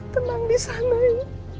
tenang disana ya